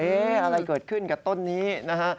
อะไรเกิดขึ้นกับต้นนี้นะฮะ